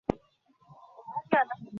আমাদের যা কিছু আছে সব পুড়িয়ে দাউ।